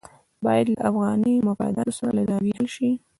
باید له افغاني مفاداتو له زاویې حل شي.